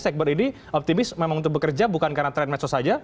segber ini optimis untuk bekerja bukan karena trend mecos saja